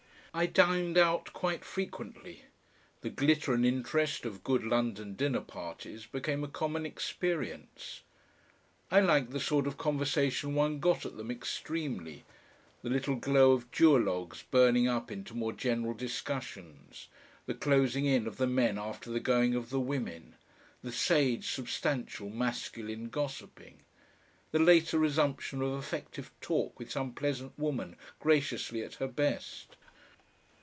I dined out quite frequently. The glitter and interest of good London dinner parties became a common experience. I liked the sort of conversation one got at them extremely, the little glow of duologues burning up into more general discussions, the closing in of the men after the going of the women, the sage, substantial masculine gossiping, the later resumption of effective talk with some pleasant woman, graciously at her best.